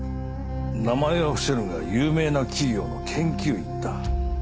名前は伏せるが有名な企業の研究員だ。